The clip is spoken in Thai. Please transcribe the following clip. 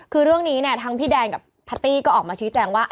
คือเรื่องนี้เนี่ยทั้งพี่แดนกับแพตตี้ก็ออกมาชี้แจงว่า